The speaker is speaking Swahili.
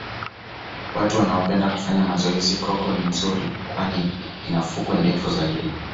watu wanaopenda kufanya mazoezi coco ni nzuri kwani ina fukwe ndefu zaidi